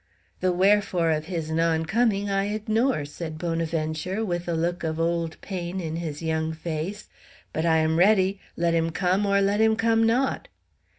"The wherefore of his non coming I ignore," said Bonaventure, with a look of old pain in his young face; "but I am ready, let him come or let him come not."